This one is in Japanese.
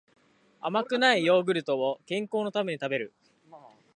甘くないヨーグルトを健康のために食べる